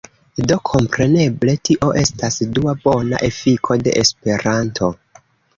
Do kompreneble, tio estas dua bona efiko de Esperanto.